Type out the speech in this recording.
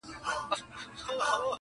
څاڅکي څاڅکي ډېرېږي -